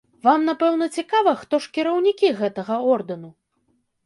Вам, напэўна, цікава, хто ж кіраўнікі гэтага ордэну?